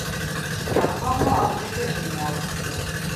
Iṛẓa uɛeẓẓi tazemmurt.